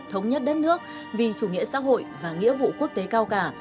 thống nhất đất nước vì chủ nghĩa xã hội và nghĩa vụ quốc tế cao cả